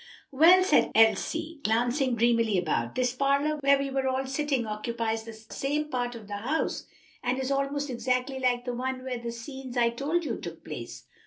"Well," said Elsie, glancing dreamily about, "this parlor where we are all sitting occupies the same part of the house, and is almost exactly like the one where the scenes I told you of took place."